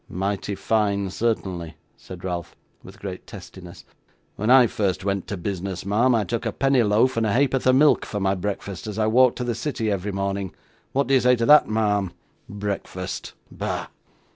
'Mighty fine certainly,' said Ralph, with great testiness. 'When I first went to business, ma'am, I took a penny loaf and a ha'porth of milk for my breakfast as I walked to the city every morning; what do you say to that, ma'am? Breakfast! Bah!